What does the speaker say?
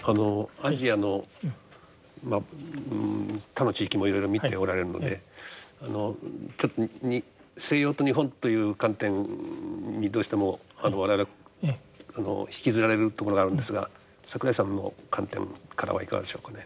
アジアの他の地域もいろいろ見ておられるのでちょっと西洋と日本という観点にどうしても我々は引きずられるところがあるんですが櫻井さんの観点からはいかがでしょうかね。